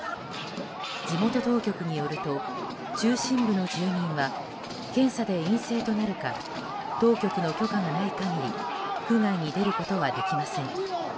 地元当局によると中心部の住民は検査で陰性となるか当局の許可がない限り区外に出ることはできません。